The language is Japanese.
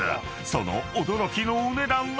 その驚きのお値段は］